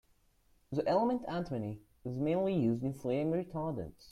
The element antimony is mainly used in flame retardants.